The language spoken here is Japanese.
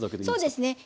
そうですね。